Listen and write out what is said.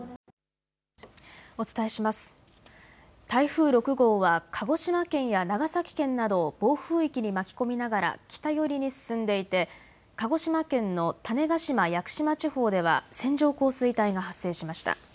台風６号は鹿児島県や長崎県などを暴風域に巻き込みながら北寄りに進んでいて鹿児島県の種子島・屋久島地方では線状降水帯が発生しました。